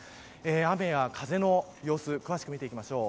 雨や風の様子詳しく見ていきましょう。